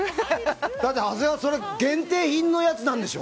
長谷川さん限定品のやつなんでしょ。